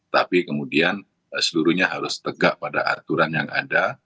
tapi kemudian seluruhnya harus tegak pada aturan yang ada